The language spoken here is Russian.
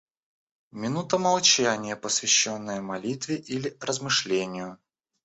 Минута молчания, посвященная молитве или размышлению.